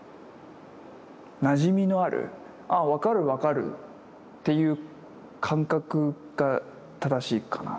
なじみのあるあ分かる分かるっていう感覚が正しいかな。